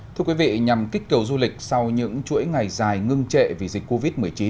thưa quý vị nhằm kích cầu du lịch sau những chuỗi ngày dài ngưng trệ vì dịch covid một mươi chín